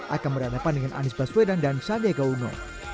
akan meranapan dengan anies baswedan dan sadega uno